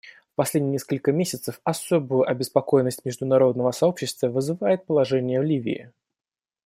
В последние несколько месяцев особую обеспокоенность международного сообщества вызывает положение в Ливии.